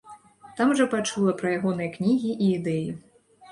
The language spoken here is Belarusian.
Там жа пачула пра ягоныя кнігі і ідэі.